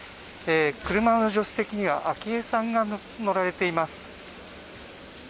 車の助手席には昭恵さんが乗られています。